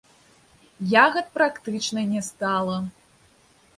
Ягад практычна не стала.